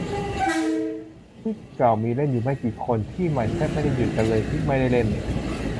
ที่เก่ามีเล่นอยู่ไม่กี่คน ที่ใหม่แทบไม่ได้หยุดกันเลยไม่ได้เล่น